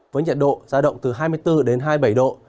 với nhiệt độ ra động từ hai mươi bốn đến hai mươi bảy độ